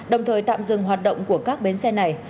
đồng thời tạm dừng hoạt động của các bến xe này